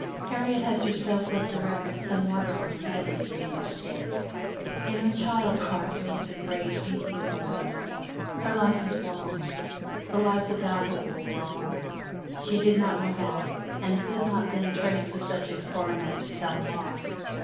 Harriet has herself left on record somewhat of her feelings in those days. In her child heart there was a great aching void. Her life was wrong the lives about her were wrong she did not know how, and could not then trace the subject far enough to tell why.